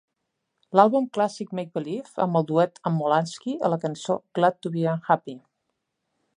L'àlbum clàssic "Make Belive", amb el duet amb Molaskey a la cançó "Glad To Be Unhappy".